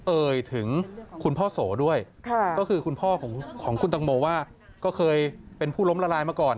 เอ่ยถึงคุณพ่อโสด้วยก็คือคุณพ่อของคุณตังโมว่าก็เคยเป็นผู้ล้มละลายมาก่อน